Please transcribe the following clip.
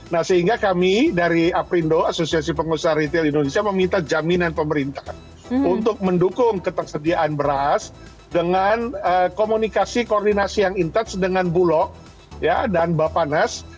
nah sehingga kami dari aprindo asosiasi pengusaha retail indonesia meminta jaminan pemerintah untuk mendukung ketersediaan beras dengan komunikasi koordinasi yang intens dengan bulog dan bapak nas